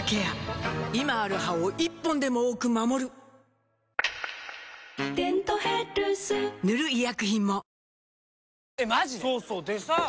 今ある歯を１本でも多く守る「デントヘルス」塗る医薬品も